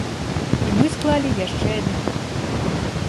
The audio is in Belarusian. І мы склалі яшчэ адзін топ.